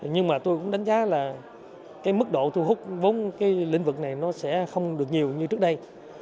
nhưng mà tôi cũng đánh giá là mức độ thu hút vốn lĩnh vực này sẽ không được nhiều như trước đây